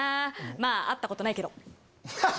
まぁ会ったことないけど。